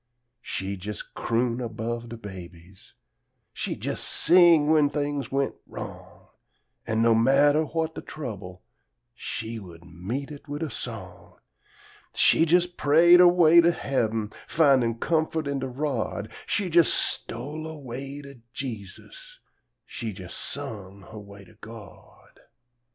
She'd jes' croon above de babies, she'd jes' sing when t'ings went wrong, An' no matter what de trouble, she would meet it wid a song; She jes' prayed huh way to heaben, findin' comfort in de rod; She jes' "stole away to Jesus," she jes' sung huh way to God!